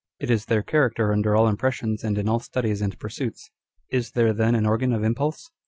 It is their character under all impressions and in all studies and pursuits. Is there then an organ of impulse